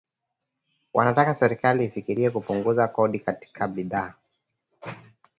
Wanataka serikali ifikirie kupunguza kodi katika bidhaa